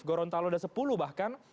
gorontalo ada sepuluh bahkan